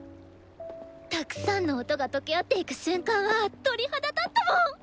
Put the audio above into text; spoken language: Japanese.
たくさんの音が溶け合っていく瞬間は鳥肌立ったもん！